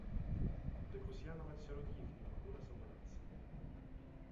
Дык вось я нават сярод іх не магу разабрацца.